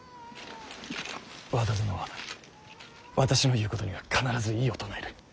和田殿は私の言うことには必ず異を唱える。